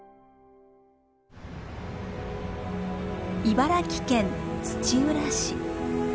茨城県土浦市。